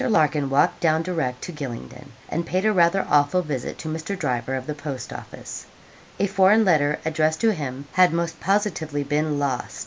Larkin walked down direct to Gylingden, and paid a rather awful visit to Mr. Driver, of the post office. A foreign letter, addressed to him, had most positively been lost.